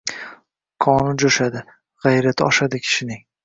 Qoni joʻshadi, gʻayrati oshadi kishining.